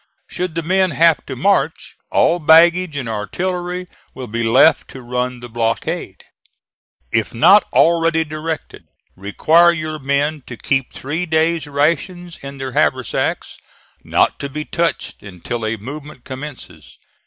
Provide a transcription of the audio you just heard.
Should the men have to march, all baggage and artillery will be left to run the blockade. If not already directed, require your men to keep three days' rations in their haversacks, not to be touched until a movement commences.